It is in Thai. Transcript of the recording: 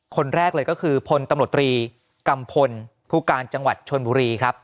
คนแรกเลยก็คือพลตำรวจตรีกัมพลผู้การจังหวัดชนบุรีครับ